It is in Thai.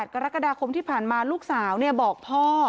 กรกฎาคมที่ผ่านมาลูกสาวบอกพ่อ